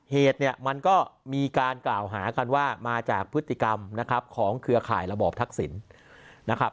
เหตุเนี่ยมันก็มีการกล่าวหากันว่ามาจากพฤติกรรมนะครับของเครือข่ายระบอบทักษิณนะครับ